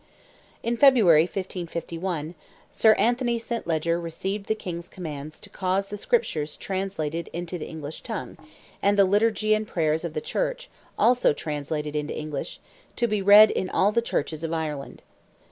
In February, 1551, Sir Anthony St. Leger received the King's commands to cause the Scriptures translated into the English tongue, and the Liturgy and Prayers of the Church, also translated into English, to be read in all the churches of Ireland.